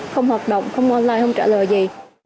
không hoạt động không online không trả lời gì